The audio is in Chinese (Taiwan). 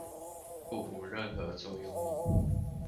故無任何作用力